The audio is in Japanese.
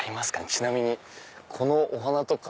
ちなみにこのお花とか。